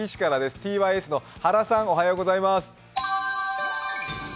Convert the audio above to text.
ｔｙｓの原さん、おはようございます。